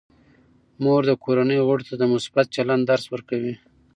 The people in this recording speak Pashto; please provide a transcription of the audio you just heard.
مور د کورنۍ غړو ته د مثبت چلند درس ورکوي.